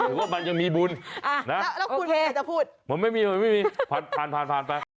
ว่ามันจะมีบุญนะผมไม่มีผ่านไป